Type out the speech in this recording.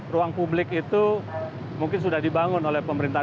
ruang publik itu mungkin sudah dibangun oleh pemerintah